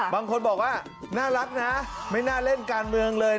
บางคนบอกว่าน่ารักนะไม่น่าเล่นการเมืองเลย